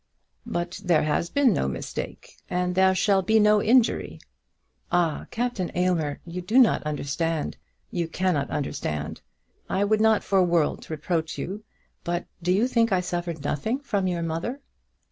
"But there has been no mistake, and there shall be no injury." "Ah, Captain Aylmer! you do not understand; you cannot understand. I would not for worlds reproach you; but do you think I suffered nothing from your mother?"